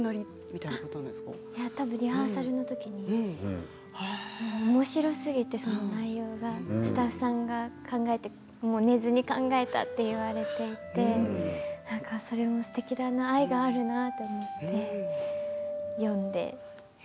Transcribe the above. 多分リハーサルの時に内容が、おもしろすぎてスタッフさんが寝ずに考えたって言われていてそれもすてきだな愛があるなと思って読んで。